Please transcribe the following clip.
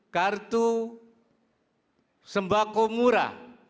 kartu sembako murah